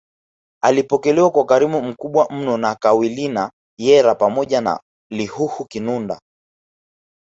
Alipokelewa kwa ukarimu mkubwa mno na Kawinila Hyera pamoja na Lihuhu Kinunda